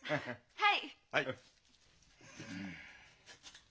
はい。